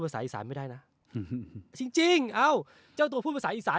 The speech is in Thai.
ภาษาอีสานไม่ได้นะจริงจริงเอ้าเจ้าตัวพูดภาษาอีสาน